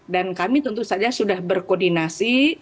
dan kami tentu saja sudah berkoordinasi